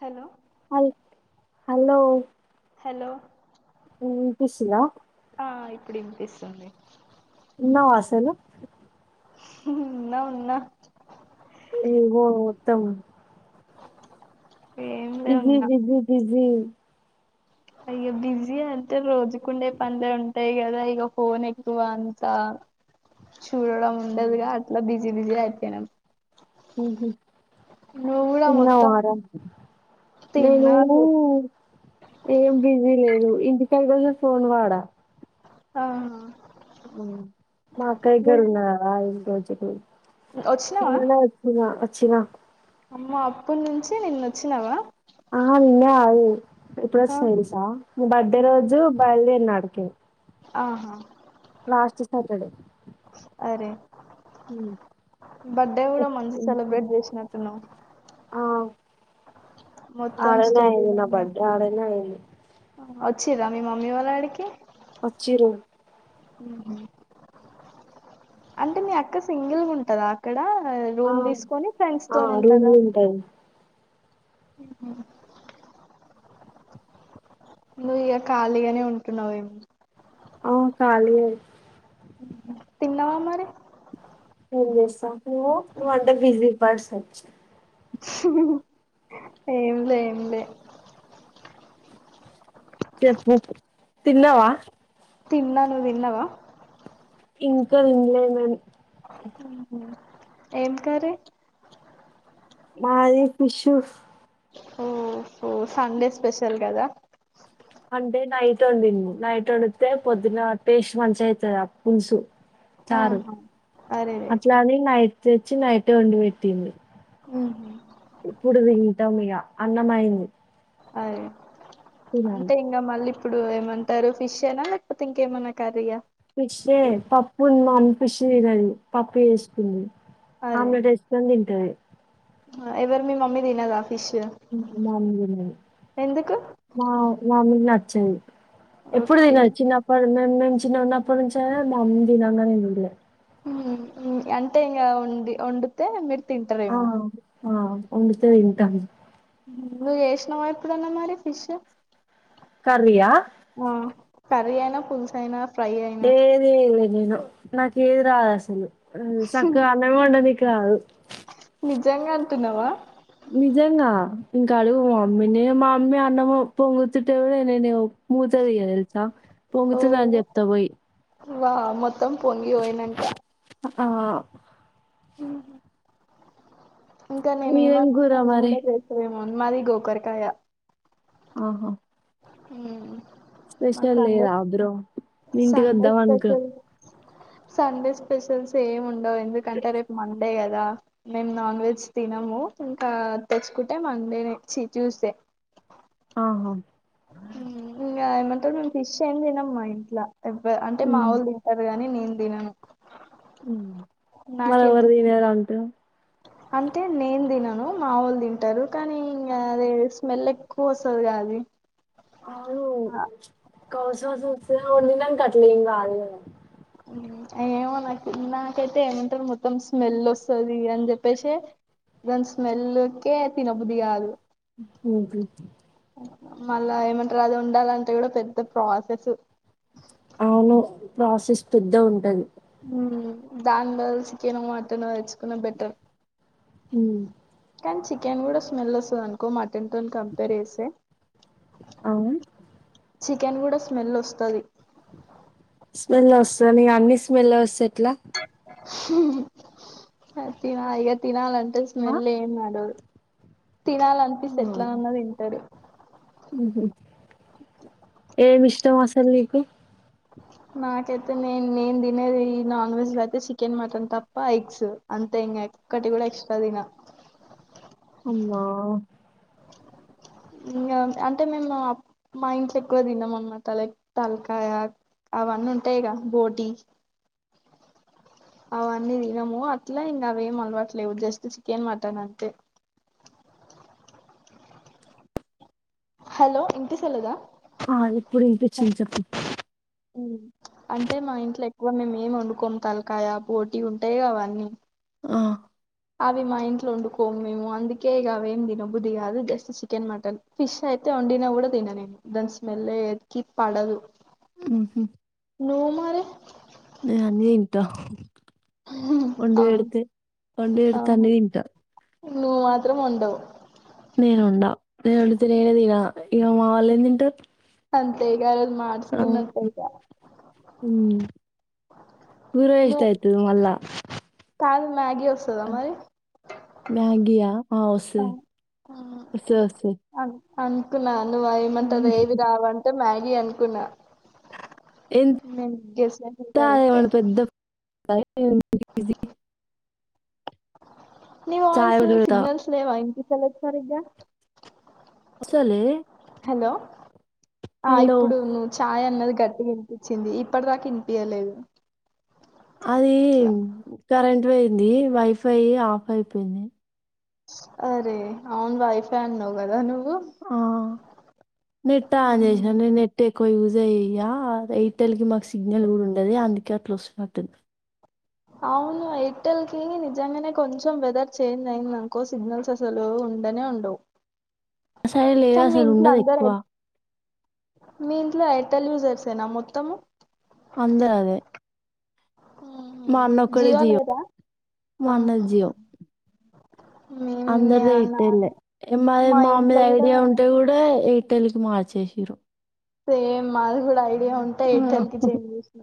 Hello hello లో వినిపిస్సుందా ఆ ఇప్పుడు ఇనిపిస్తుంది ఉన్నావా అసలు ఉన్నా ఉన్నా ఏ ఓ ఓత్తమ్ ఏంలే బిజి బిజి బిజ్ మ్మ్ అయ్యో బిజీ అంటే రోజు కుండే పందెం రెయ్య రైగో ఫోన్ ఎక్కువ అంత చూడడం ఉండదుగా అట్లా బిజి బిజి అయితే ఉహు కూడా మొత్తం చిన్నవార నేను తిన్నారు ఏం బిజీ లేను ఇంటి కైదస ఫోన్ వాడా ఆహా మాకైనా గర్తు నా ఇ రోజ ఇకు కింద వచ్చినావా నా పెట్టిన వచ్చిన అమ్మ అప్పటి నుంచి నిన్న వచ్చినావా ఆ నిన్న అదు ఇప్పుడు ఆ, వచ్చినాయి తెలుసా బర్త్డే ఉమ్, రోజు బయల్దేరు ఉమ్ న ఆడకి ఆహా లాస్ట్ సాటర్డే అరే ఉమ్. బర్త్డే కూడా మంచిగా సెలబ్రేట్ చేసినట్టున్నవ్ ఆడ అయినా ఇడ ఐనా స్టోరీలు బర్త్డే వచ్చిరాా మీ మమ్మీ వాళ్ళ ఆడకి వచ్చి ర్ అంటే మీ అక్క సింగిల్గా ఉంటదా అక్కడ ఆ రూమ్ తీసుకొని ఫ్రెండ్స్ ఆ తోని ఉంటదా రూమ్లు ఉంటాయి హ నువ్వు ఇక ఖాళీగానే ఉంటున్నవేం ఔ ఖాళీ ఎ తిన్నవా మరి ఏం చేస్తా నువ్వు అంటే బిజీ పర్సన్ వచ్చి ఏం లేదు లే చెప్పు తిన్నవా తిన్నా నువ్ తిన్నవా ఇంకా రంలేమని ఏం కర్రి మాది ఫిషు ఓహో సండే స్పెషల్ కదా అంటే నైట్ వండి ను నైట్ వడితే పొద్దున టేస్ట్ మంచిగా అయితది ఆ పలుసు సారు ఆహా అరేరే అట్లాని నయిట్ తెచ్చి నైటె వండి పెట్టింది ఉ ఇప్పుడు తింటాం మీగా అన్నమయింది అ అంతే ఇంక మళ్ళీ ఇప్పుడు ఏమంటారు ఫిష్ అనా లేకపోతే ఇంకేమనా కర్రీయా పిషే పప్పు ఉ మ పిషన్ అది పప్పు చేసుకుంది ఆమ్లెట్ ఎస్కొని తింటారు ఎవరి మీ మమ్మీ దీనాద మ న ఎందుకు పచ్చ ఎప్పుడు ఓకే తిన చిన్నప్పడు మే మే చిన్న ఉన్నప్పుడు నుంచ మా అమ్మీ తినంగానేలే అంటే ఇంకా ఉండి వండితే మిర్చి ఆ తింటరెమో ఆ వండితే తింటను నువు చేస్నావ మరి ఎప్పుడైనా ఫిష్ కర్రయా ఆ కర్రీ అయినా పుస్ అయినా ఫ్రై అయినా ఏదే చైల్డ్ నేను నాకు ఏదు రాధసలు సక్క ఆనం వంట కాదు నిజంగా అంటన్నావా నిజంగా ఇంకా అడుగు మా మమ్మీని మా మమ్మీ అన్నం పొంగుతుంటేవి నేను మూతది తెలుసా ఓ పొంగుతుందను చెప్తా పోయి వా మ మొత్తం పొంగి పోయినాంక ఆ ఇంకా నేనే మీదేం కూర ఏమనుకున్నాను నువ్వు మరి కూడా చేసవేం మోన్మది గోకర్కాయ ఆహ హ స్పెషల్ రాబరు ఇంటికి సండే వద్దాం అనుక స్పెషల్ సండే స్పెషల్స్ ఏమ్ ఉ ఎందుకుంటే రేపు మండేగా కదా మేము నాన్ వెజ్ తినము ఇంకా తెచ్చుకుంటే మాేచ్చి చూసే ఆహా ఇం ఏమంట న ఫిష్ అయింది తినమ్మా ఇంట్లా ఎ అంటే మావోలు తింటారు కానీ నేను దినను ఉమ్ మన ఎవరిదివేలా ఉంటా అంటే నేను తినను మావోలు తింటారు కానీ ఇంగ అదే స్మెల్ ఎక్కువ వస్తదిగా అది అవును కౌస్ వాస్ ఉమ్ వంటినంక అట్లేమీ కాదు గద అ ఏమో నాకు నాకైతే ఏమంటారు మొత్తం స్మెల్ వస్తది అని చెప్పేసి దాని స్మెల్కే తిన బుద్ధి కాదు ఉమ్ హు మళ్ళా ఏమంటారు అది వండాలంటే కూడా పెద్ద ప్రాసెస్ అవును ప్రాసెస్ పెద్ద ఉంటది ఉమ్ దానిలో చికెన్ మటన్ తెచ్చుకునేది బెటర్ ఉమ్ కానీ చికెన్ కూడా స్మెలోస్తుంది అనుకో మట టన్ తోని కంపేర్ చేస్తే అవును చికెన్ కూడా స్మెల్ వస్తది స్మెల్ వస్తుంది అన్ని స్మెల్ వస్తా ఎట్లా అది తిన ఇగ తినాలా అంత ఆ స్మెల్ ఏం రాదు తినాలి అనిపిస్తంది ఎట్లానున్నా తింటాడు ఉమ్ హు ఏమి ఇష్టం అసలు నీకు నాకైతే నేను నేను తినేది ఈ నాన్ వెజ్ లో అయితే చికెన్ మటన్ తప్ప ఎగ్స్ అంతే ఇంకా ఓక్కటి కూడా ఎక్స్ట్రా తిన అమ్మా ఇంగా అంటే మేము మా ఇంట్లో ఎక్కువ తిన్నాం అనమాట లైక్ తలకాయ అవన్నీ ఉంటాయి క బోటి అవన్నీ తినము అట్లా ఇంగా అవ ఏం అలవట్లేవు జస్ట్ చికెన్ మటన్ అంతే హలో ఇనిపిస్తలేదా ఆ ఇప్పుడు ఇనిపించింది చెప్పు ఉమ్ అంటే మా ఇంట్లో ఎక్కువ మేము ఏం వండుకోము తలకాయ బోటీ ఉంటాయి గా అవన్నీ ఆ అవి మా ఇంట్లో వండుకోము మేము అందుకే ఇక అవి ఏం తినబుద్ది కాదు జస్ట్ చికెన్ మటన్ ఫిష్ అయితే వండినా కూడా తిన నేను దాని స్మెల్ ఎకి పడదు ఉమ్ హు నువ్వు మరి నేను అన్ని తిన్ టా వండి అవును పేడుతే వండి పేడుతే అన్నీ తింటా ను మాత్రం ఉండవు నేను ఉండ నేను ఉండితే నేనే తినా ఇక మా వాళ్ళు ఏం తింటారు అంతే ఇగ ఆ రోజు ఆ మార్చుకున్నట్టే ఇగ ఉమ్ గుర ఎష్టాయితు మల్ళా కాల్ అ మ్యాగీ ఆ వస్తది వస్తది వస్తది అంకులా నువ్ వయమంటే ఏవి రావంటే మ్యాగీ అనుకున్న ఎంత మ్యాగేసిన కరెక్ట్ క్య ఏం బిజీ బిజీ ని వాయిస్ కూడా పెడతా సిగ్నల్స్ లేవా చల సారిగ్గా సాలే హలో ఆ ఇప్పుడు ను చ హాయ్ గట్టిగా వినిపించింది. ఇప్పటి దాకా ఇనిపియ్యలేదు. అది కరెంట్ పోయింది. వైఫై ఆఫ్ అయిపోయింది. అరే, అవును వైఫ్ అన్నావ్ కదా ను ఉ ఆ నెట్ ఆన్ చేసిన నీ నెట్ ఎక్కువ యూజ్ అయ్యా, ఎయిర్టెల్ కి మాకు సిగ్నల్ కూడా ఉండది. అందుకే అట్లా వస్తున్నట్టుంది. అవును, ఎయిర్టెల్కి నిజంగానే కొంచెం వెదర్ చేంజ్ అయిందనుకో సిగ్నల్స్ అసలు ఉండనే ఉండవు. సరే లే కానీ మీ అసలు ఇంట్లో ఉండదు. అందరు ఎక్కువ మీ ఇంట్లో ఎయిర్టెల్ యూజర్సేనా మొత్తము. అందరా అదే మా మ్మ్. అన్న ఒక్కడే జియో, లేదా మా అన్నది ఆహా జియో. అందరిదీ మేము ఎయిర్టెల్ మాది మా మామ్మీ ఇంట్లో కూడా ఐడియా ఉంటే కూడా ఎయిర్ యిర్టెల్ కి మార్చేసిర్రు. సేమ్ మాది కూడా ఐ జియో ఉంటే ఆ, ఎయిర్టెల్ కి చేంజ్ చేసిన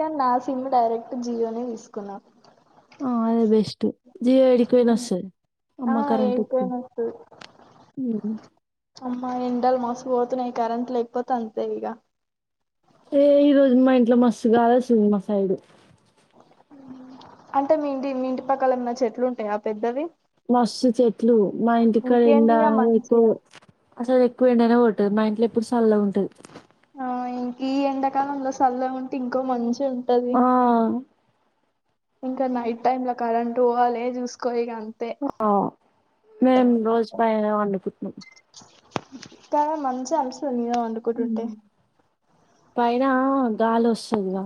కానీ నా సిమ్ డైరెక్ట్ జియోనే తీసుకున్నా. ఆ అదే బెస్ట్ జియో ఏడికిపోయిన వస్తేది ఆ అమ్మా కరెంట్ వచ్చ ఏడిపోయిన వస్తది మా ఎండాలు మస్తుపోతున్నాయి. కరెంట్ట్లెక్ తప్పతంతే ఇగా ఏ ఈ రోజు మా ఇంట్లో మస్తు గాలుస్తుంది. మా సైడు అంటే మీంటి మీంటి పక్కల ఏమన్నా చెట్లు ఉంటాయా పెద్దవి మస్సు చెట్లు మా ఇంటి కాడ ఇంకేంది ఎండా ఇక ఎక్కువ మంచిగా అసలు ఎక్కువ ఎండానే కొ మా ఇంట్లో ఎప్పుడు సల్లగా ఉంటది. ఆ ఇంక ఈ ఎడాకాలంలో సల్ల ఉంటే ఇంకో మంచి ఉం ఆ ఇంకా నైట్ టైమ్ లో కరెంట్ పోవాలే చూసుకో ఇగ ఆ మేము రోజు పైన వండుకుం టం ఇక్క మంచింగా అ ని అందుకొకుంటే ఉమ్. పైన గాలి అస్తుందిగా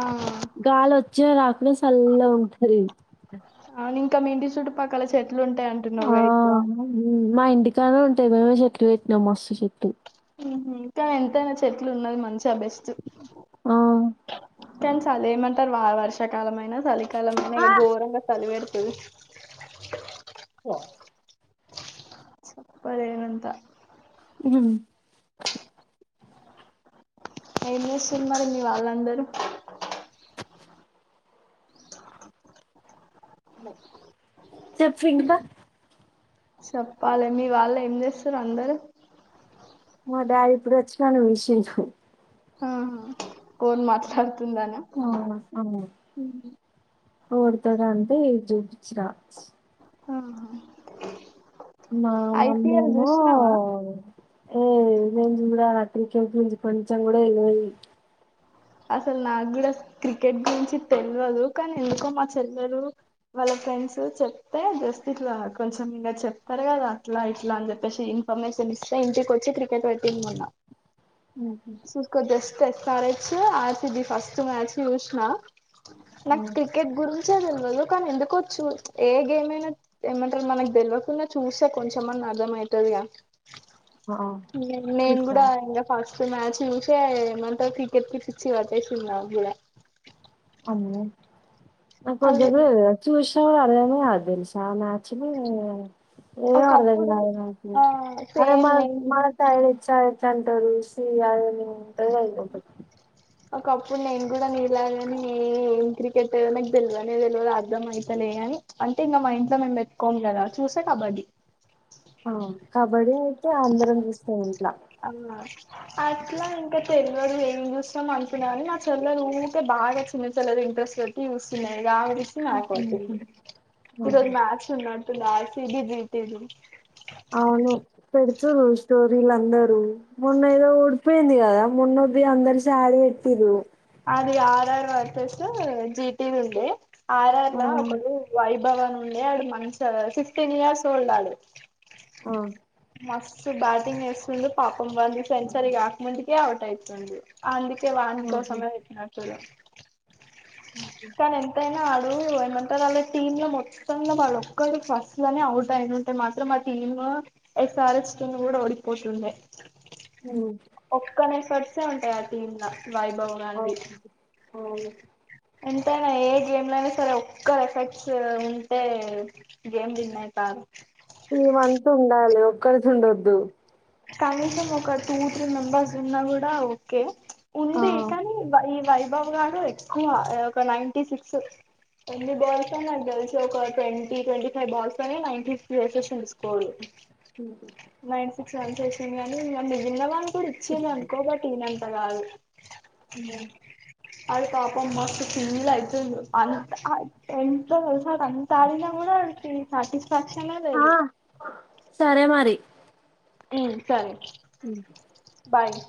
ఆ గాలి వచ్చి రాకుడా చల్ల ఉంటాది [unintelligible] ఇంటి చూటు పక్కాల చే ఎట్లుంటాయి అంటున్నావుగా ఎక్కువ కానే ఉంటాయి మేమే చెట్లు పెట్టినాం మస్తు చెట్లు ఉహ కానీ ఎంతైనా చెట్లు ఉన్నది మంచి చ బెస్ట్ ఆ! కనీ చాలేమంటారు వా వర్ష కాలం మే చలికాలం మైన ఆ! ఘోరంగా చలివేడ స [unintelligible] వ చెప్పలేేనంతా ఉ ఏం చేస్తున్నారు మరి మీ వాళ్ళందరూ చెప్పు ఇంకా చెప్పాలి మీ వాళ్ళు ఏం చేస్తారు అందరుూ మా డాడీ ఇప్పుడే వచ్చా ఇక్కడ కూసున్నాడు హహ కోన్ మాట్లాడ్ ంద ఆ! ఎవరితో అంటే జూపిచ్చనా ఆహా మా మమ్మీ ఐపీఎల్ ఏమో చూసినావా ఏ నేను జూడ నాకు క్రికెట్ గురించి కొంచెం కూడా తెలవది అసలు నాకు కూడా క్రికెట్ గురించి తెలవదు కానీ ఎందుకో మా చెల్లలు వాళ్ళ ఫ్రెండ్స్ చెప్తే జస్ట్ ఇట్లా కొంచెం ఇంకా చెప్తారు కదా అట్లా ఇట్లా అని చెప్పేసి ఇన్ఫర్మేషన్ ఇస్తే ఇంటికి వచ్చి క్రికెట్ పెట్టింది మొన్న హుహు. సుక జస్ట్ తెస్తారే ఆసిేది ఫస్ట్ మ్యాచ్ చూసిన నాకు హ్మ్. క్రికెట్ గురించే తెలియదు కానీ ఎందుకో చూ ఏ గేమ్ అయినా ఏమంటారు మనకు తెలియకుండా చూసే కొంచెంమంది అర్థం అవుతుందిగా ఆ! నేను చూసినా కూడా ఇంకా ఫస్ట్ మ్యాచ్ చూసా ఏం అంటారు కీ క్రికెట్ పిచ్చి పట్టేసింది నాకు కూడా అవును ఇంకా గింది అది [unintelligible] చూసి చూడాలి [unintelligible] తెలుసా మ్యాచ్ లు ఏం అర్ధం ఒకప్పుడు కాదు మనకు ఆ సేమ్ [unintelligible] నేను మన కూడా తయచ్చ జంట రూసి అ ఉంటది కదా ఇంకొకటి ఒకప్పుడు నేను కూడా నీలాగానే ఏం క్రికెట్ నాకు తెలవనే తెలియదు అర్థం అవుతనే అని అంటే ఇంకా మా ఇంట్లో మేము పెట్టుకోం కదా చూస్తే కబడ్డీ కబడ్డీ అయితే అందరం చూస్తాం ఇంట్ల ఆ అట్లా ఇంకా తెలువదు లే ఏం చూసాం అనుకున్నగాని నా చెల్లలు ఊకే బాగా చిన్నచేల్లలు ఇంట్రెస్ట్ పెట్టి చూస్తున్నది గామే పిచ్చి నాకు ఉహు, వట్టింది ఈ ఉహు. రోజు మ్యాచ్ ఉన్నడ్ ఇప్పుడు లాస్ట్ ఇది గిఫ్ట్ ఇది అవును పొదుప్ చూవు స్టోరీలు అందరు మొన్న ఏదో ఓడిపోయింది కదా మొన్నటిది అందరు శారీ వెట్టిర్రు. అది ఆర్ ఆర్ వర్సెస్ జీటి ఉండే ఆర్ ఆర్ ఆ ల ఒకళ్లు వైబ్ బలే ఉండే ఆడు మంచిగా సిక్స్టీన్ ఇయర్స్ ఓల్డ్ ఆడు ఆ మస్తు బ్యాటింగ్ వేస్తుండు పాపం వంది సెంచరీ కాకముందుకే అవుట్ అయిపోఇండు అయితే వాని ఆహా, కోసమే పెట్టినట్టుర్రు కానీ ఎంతైనా రు ఏమంతే వాళ్ళ టీమ్ లో మొత్తంల వాడు ఒక్కడు ఫస్ట్ లోనే అవుట్ అయ్యుంటే మాత్రం ఆ టీమ్ ఎస్ఆర్ఎస్న్ కూడా ఓడిపోతుండే ఉ ఒక్క నేఫర్సే ఉంటాయి ఆ టీమ్ ల వైభవ గాంధి అవును అవును ఎంతైనా ఏ గేమ్ లో అయినా సరే ఒక్కరు ఎఫెక్ట్స్ ఉంటే గేమ్ విన్ ఐతారు టీమ్ అంత ఉండాలి ఒక్కరిది ఉండొద్దు కనీసం ఒక టూ త్రీ మెంబర్స్ ఉన్నా కూడా ఓకే ఆ ఉంది కానీ ఈ వయ బాబు గారు ఎక్కువ ఒక ninety six boys and girls ఒక ట్వంటీ ట్వంటీ ఫైవ్ బాల్స్ తోని నైటి సిక్స్ చేసేసిండు కో నైటి సిక్స్ సైన్ చేసింది కానీ న మిగిలిన వాళ్ళు ఇప్పుడు ఇచ్చింది అనుకో బట్ ఈ నైన్ పదాలు ఉ అది పాపం మస్తు ఫీల్ అవుతుంది అంటే వాడు అంత ఆడిన కూడా సాటిస్ఫాక్షన్ ఏ ఆ, లేదు సరే మరి ఉ సరే అ బాయ్